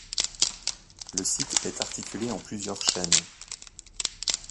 Le site est articulé en plusieurs chaînes.